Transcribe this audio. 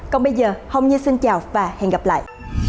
còn bây giờ hồng xin chào và hẹn gặp lại